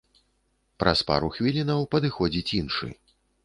Праз пару хвілінаў падыходзіць іншы.